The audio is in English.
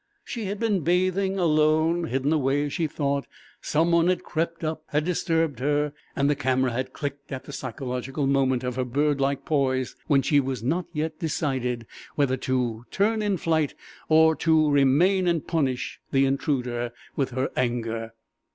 She had been bathing, alone, hidden away as she thought; some one had crept up, had disturbed her, and the camera had clicked at the psychological moment of her bird like poise when she was not yet decided whether to turn in flight or remain and punish the intruder with her anger.